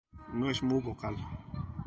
No es muy vocal.